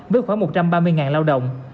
với khoảng một trăm ba mươi lao động